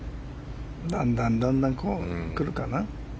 だんだん、だんだんくるかな。